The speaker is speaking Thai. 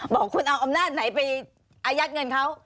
บอกคุณเอาอำนาจไหนไปอายัดเงินเขา